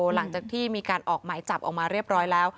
หลังจากที่มีการออกหมายจับออกมาเรียบร้อยแล้ว